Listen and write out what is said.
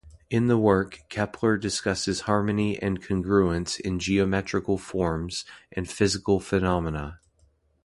In the work Kepler discusses harmony and congruence in geometrical forms and physical phenomena.